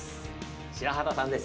白畑さんです。